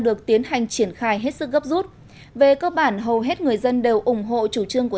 được tiến hành triển khai hết sức gấp rút về cơ bản hầu hết người dân đều ủng hộ chủ trương của